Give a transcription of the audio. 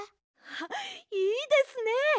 あいいですね！